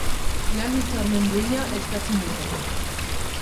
Lan-hitzarmen duina eskatzen dute.